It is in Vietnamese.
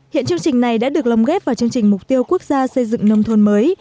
hiện chương trình này đã được lồng ghép vào chương trình mục tiêu quốc gia xây dựng nông thôn mới